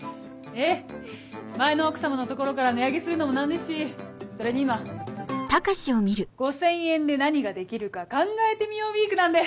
ええ前の奥様のところから値上げするのも何ですしそれに今５０００円で何ができるか考えてみようウイークなんで。